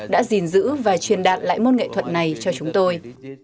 đã gìn giữ và truyền đạt lại môn nghệ thuật này cho chúng tôi